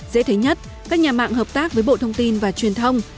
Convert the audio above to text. dễ thấy nhất các nhà mạng hợp tác với bộ thông tin và truyền thông